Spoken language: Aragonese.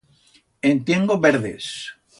En tiengo verdes.